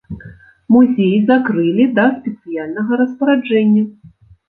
Музей закрылі да спецыяльнага распараджэння.